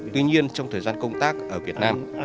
tuy nhiên trong thời gian công tác ở việt nam